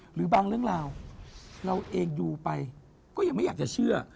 หรือบางเรื่องราวเราเองดูไปก็ยังไม่อยากจะเชื่อ